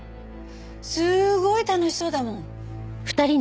すごい楽しそうだもん。